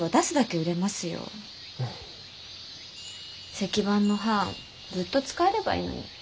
石版の版ずっと使えればいいのに。